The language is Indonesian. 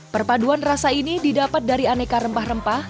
perpaduan rasa ini didapat dari aneka rempah rempah